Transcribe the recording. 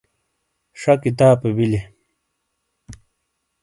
شہ کتاپے بیلئے۔